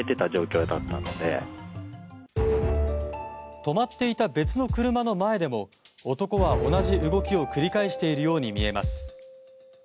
止まっていた別の車の前でも男は同じ動きを繰り返しているように見えます。